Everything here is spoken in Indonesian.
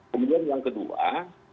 kemudian yang kedua